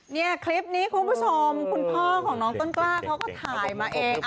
เนี่ยคลิปนี้คุณผู้ชมคุณพ่อของน้องต้นกล้าเขาก็ถ่ายมาเอง